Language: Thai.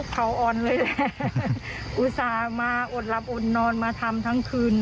เขาอ่อนเวลาอุตส่าห์มาอดหลับอดนอนมาทำทั้งคืน